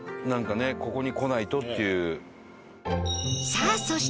さあそして